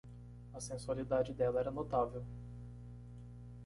A sensualidade dela era notável.